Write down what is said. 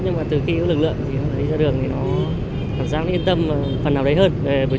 nhưng mà từ khi có lực lượng thì ra đường thì nó cảm giác yên tâm phần nào đấy hơn với tôi